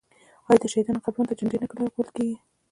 آیا د شهیدانو قبرونو ته جنډې نه لګول کیږي؟